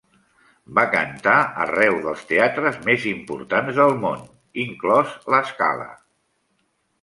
Va cantar arreu dels teatres més importants del món, inclòs La Scala.